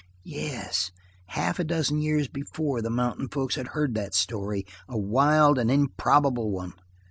Yes, half a dozen years before the mountain folk had heard that story, a wild and improbable one.